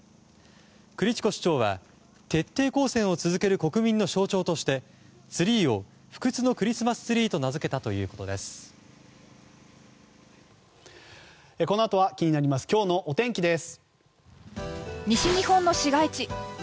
クリチコ市長は徹底抗戦を続ける国民の象徴としてツリーを不屈のクリスマスツリーと名付けたということです。